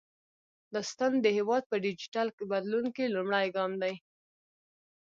دا سیستم د هیواد په ډیجیټل بدلون کې لومړی ګام دی۔